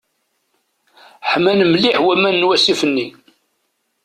Ḥman mliḥ waman n wasif-nni.